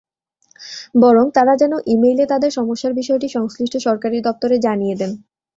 বরং তাঁরা যেন ই-মেইলে তাঁদের সমস্যার বিষয়টি সংশ্লিষ্ট সরকারি দপ্তরে জানিয়ে দেন।